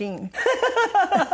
ハハハハ！